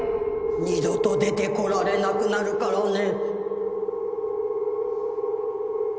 二度と出てこられなくなるからね